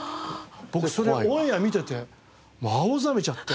僕はそれオンエア見ててもう青ざめちゃって。